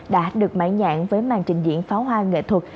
đã được mãi nhạn với màn trình diễn pháo hoa nghệ thuật